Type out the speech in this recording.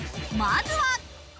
まずは。